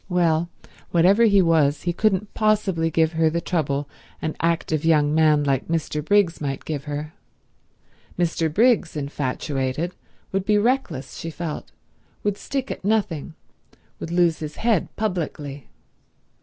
Well, whatever he was he couldn't possibly give her the trouble an active young man like Mr. Briggs might give her. Mr. Briggs, infatuated, would be reckless, she felt, would stick at nothing, would lose his head publicly.